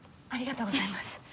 ありがとうございます。